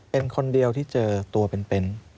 เป็นคนเดียวที่เจอตัวเป็น